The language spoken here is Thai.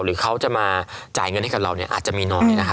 หรือเขาจะมาจ่ายเงินให้กับเราเนี่ยอาจจะมีน้อยนะครับ